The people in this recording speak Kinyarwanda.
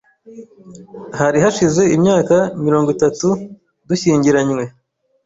Hari hashize imyaka mirongo itatu dushyingiranywe.